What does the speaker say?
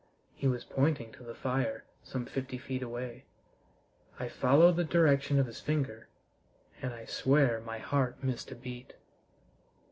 He was pointing to the fire, some fifty feet away. I followed the direction of his finger, and I swear my heart missed a beat.